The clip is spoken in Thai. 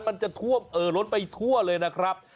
มันจะท่วมเอ่อล้นไปทั่วเลยนะครับ